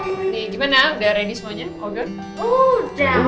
gimana udah ready semuanya